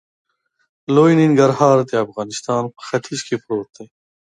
لوی ننګرهار د افغانستان په ختیځ کې پروت دی.